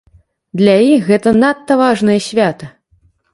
Для іх гэта надта важнае свята.